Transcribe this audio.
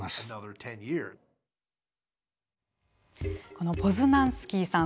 このポズナンスキーさん